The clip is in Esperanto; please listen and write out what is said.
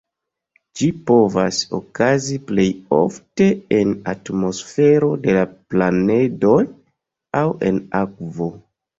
Ĝi povas okazi plej ofte en atmosfero de la planedoj aŭ en akvo.